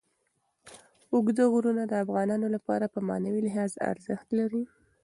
اوږده غرونه د افغانانو لپاره په معنوي لحاظ ارزښت لري.